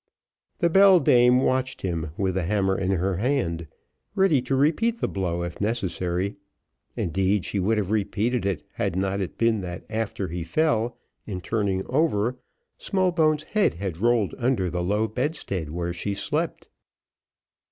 The beldame watched him with the hammer in her hand, ready to repeat the blow if necessary, indeed she would have repeated it had it not been that after he fell, in turning over, Smallbones' head had rolled under the low bedstead where she slept.